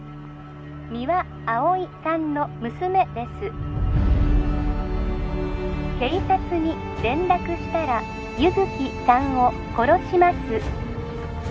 ☎三輪碧さんの娘です☎警察に連絡したら☎優月さんを殺します